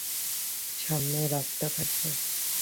সামনের রাস্তা থেকেই।